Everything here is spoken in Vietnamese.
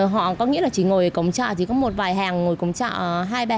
họ có nghĩa là chỉ ngồi ở cổng chợ chỉ có một vài hàng ngồi cổng chợ